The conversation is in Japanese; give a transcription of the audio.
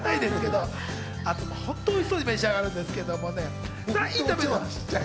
本当においしそうに召し上がるんですけどね。